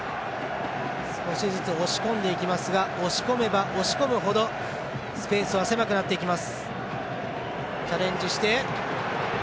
少しずつ押し込んでいきますが押し込めば押し込むほどスペースは狭くなっていきます。